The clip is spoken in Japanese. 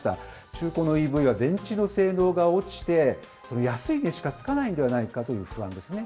中古のＥＶは電池の性能が落ちて、安い値しかつかないんではないかという不安ですね。